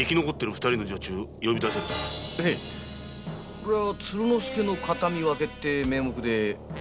今夜にも「鶴之助の形見分け」って名目で。